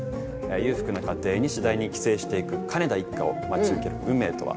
裕福な家庭に次第に寄生していく金田一家を待ち受ける運命とは？